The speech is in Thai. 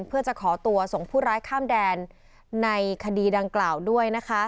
เพื่อจะขอตัวส่งผู้ร้ายข้ามแดนในคดีดังกล่าวด้วยนะคะ